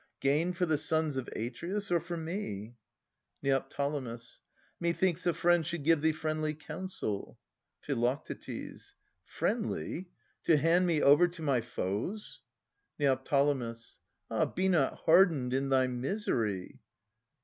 Gain for the sons of Atreus, or for me ? Neo. Methinks a friend should give thee friendly counsel. Phi. Friendly, to hand me over to my foes? Neo. Ah, be not hardened in thy misery